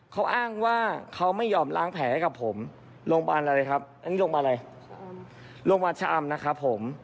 เขาอ้างว่าเขาไม่ยอมล้างแผลให้ผมโรงพยาบาลชะอำนะครับผม